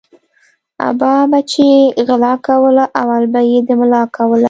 ابا به چی غلا کوله اول به یی د ملا کوله